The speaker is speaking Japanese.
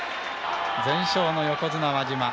全勝の横綱輪島。